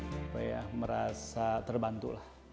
saya merasa terbantu